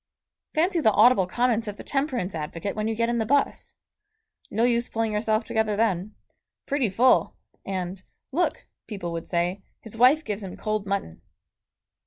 Fancy the audible comments of the temperance advocate when you get in the bus! No use pulling yourself together then. "Pretty full!" And "Look," people would say, "his wife gives him cold mutton."